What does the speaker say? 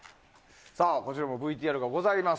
こちらもＶＴＲがございます。